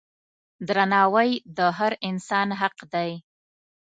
درناوی د هر انسان حق دی.